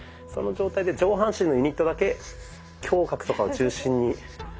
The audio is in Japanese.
その状態で上半身のユニットだけ胸郭とかを中心に。